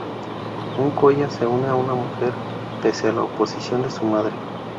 Un coya se une a una mujer pese a la oposición de su madre.